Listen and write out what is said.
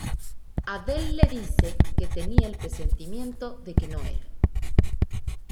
Adele le dice que tenía el presentimiento de que no era.